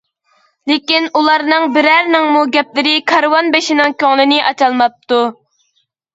لېكىن ئۇلارنىڭ بىرەرىنىڭمۇ گەپلىرى كارۋان بېشىنىڭ كۆڭلىنى ئاچالماپتۇ.